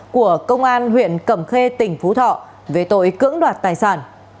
của công an huyện cẩm khê tỉnh phú thọ về tội cưỡng đoạt tài sản